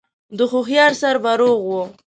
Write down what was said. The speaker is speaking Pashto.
د هوښيار سر به روغ و